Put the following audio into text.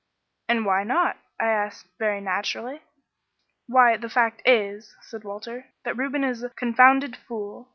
"'And why not?' I asked very naturally. "'Why, the fact is,' said Walter, 'that Reuben is a confounded fool.